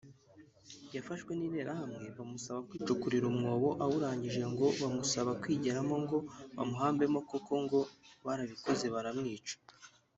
yafashwe n’Interahamwe bamusaba kwicukurira umwobo awurangije ngo bamusaba kwigeramo ngo bamuhambemo koko ngo barabikoze baramwica